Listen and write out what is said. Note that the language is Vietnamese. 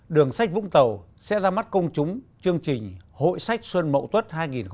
đường sách vũng tàu sẽ ra mắt công chúng chương trình hội sách xuân mậu tuất hai nghìn hai mươi